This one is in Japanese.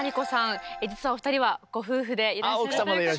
実はお二人はご夫婦でいらっしゃると。